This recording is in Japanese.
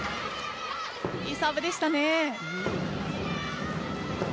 いいサーブでしたね。